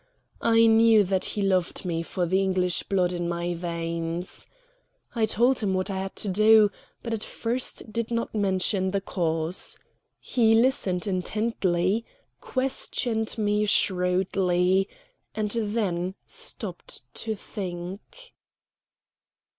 I knew that he loved me for the English blood in my veins. I told him what I had to do; but at first did not mention the cause. He listened intently, questioned me shrewdly, and then stopped to think.